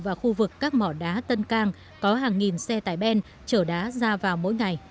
và khu vực các mỏ đá tân cang có hàng nghìn xe tải ben chở đá ra vào mỗi ngày